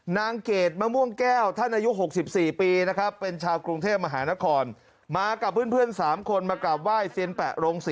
เกรดมะม่วงแก้วท่านอายุ๖๔ปีนะครับเป็นชาวกรุงเทพมหานครมากับเพื่อน๓คนมากราบไหว้เซียนแปะโรงศรี